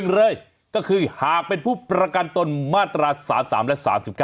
เลยก็คือหากเป็นผู้ประกันตนมาตรา๓๓และ๓๙